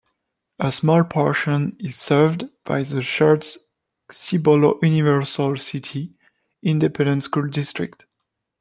A small portion is served by the Schertz-Cibolo-Universal City Independent School District.